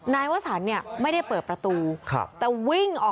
นายวสันไม่ได้เปิดประตูแต่วิ่งออกไปทางระเบียง